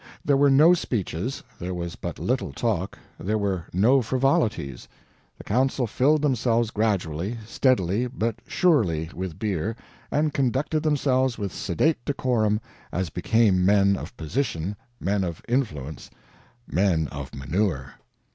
There were no speeches, there was but little talk, there were no frivolities; the Council filled themselves gradually, steadily, but surely, with beer, and conducted themselves with sedate decorum, as became men of position, men of influence, men of manure.